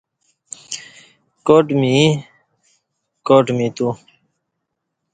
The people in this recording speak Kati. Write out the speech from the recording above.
کاٹ می یں کاٹ می تو